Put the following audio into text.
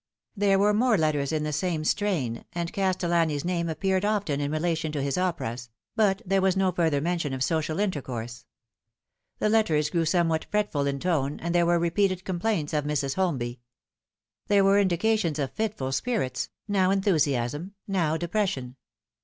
There were more letters in the same strain, and Castellani's name appeared often in relation to his operas ; but there was no further mention of social intercourse. The letters grew somewhat fretful in tone, and there were repeated complaints of Mrs. Holmby. There were indications of fitful spirits now enthusiasm, now depression.